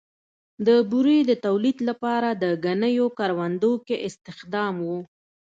د بورې د تولید لپاره د ګنیو کروندو کې استخدام و.